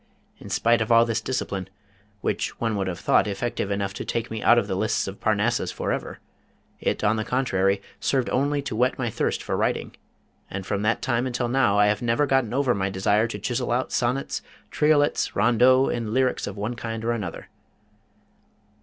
In spite of all this discipline, which one would have thought effective enough to take me out of the lists of Parnassus forever, it on the contrary served only to whet my thirst for writing, and from that time until now I have never gotten over my desire to chisel out sonnets, triolets, rondeaux and lyrics of one kind or another.